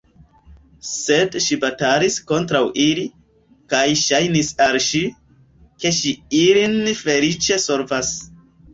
Sed ŝi batalis kontraŭ ili, kaj ŝajnis al ŝi, ke ŝi ilin feliĉe solvas.